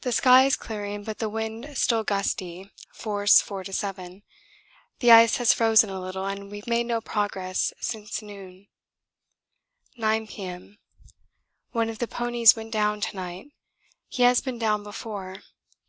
The sky is clearing but the wind still gusty, force 4 to 7; the ice has frozen a little and we've made no progress since noon. 9 P.M. One of the ponies went down to night. He has been down before.